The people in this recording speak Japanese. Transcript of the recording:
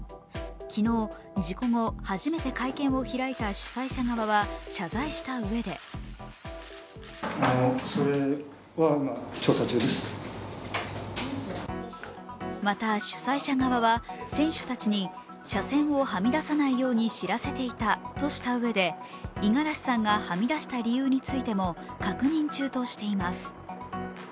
昨日事故後初めて会見を開いた主催者側は謝罪したうえでまた、主催者側は選手たちに車線をはみ出さないように知らせていたとしたうえで五十嵐さんがはみ出した理由についても確認中としています。